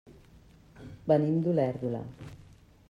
Venim d'Olèrdola.